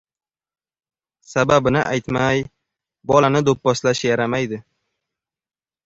– sababini aytmay bolani do‘pposlash yaramaydi;